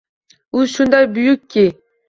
U shunday buyukki